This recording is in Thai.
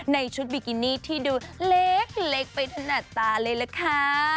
ในชุดบิกินี่ที่ดูเล็กไปถนัดตาเลยล่ะค่ะ